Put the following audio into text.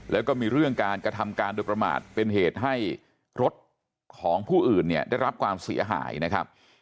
แล้วก็มีเรื่องการกระทำการโดยประมาทเป็นเหตุให้รถของผู้อื่นเนี่ยได้รับความเสียหายนะครับ